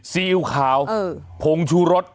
ซีอิ๊วขาวผงชูรส